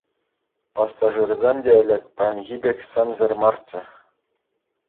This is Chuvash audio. Пассажирӗсем те ӗлӗк паянхи пек сӗмсӗр марччӗ.